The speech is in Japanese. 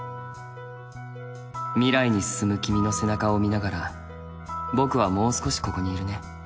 未来に進む君の背中を見ながら僕はもう少しここにいるね。